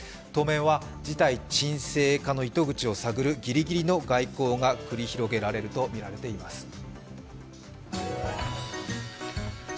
当面は事態沈静化の糸口を探るギリギリの外交が繰り広げられるとみられています。